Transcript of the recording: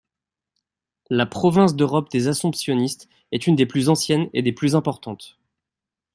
La Province d'Europe des Assomptionnistes est une des plus anciennes et des plus importantes.